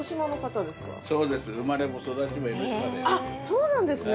そうなんですね。